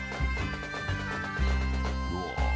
うわ！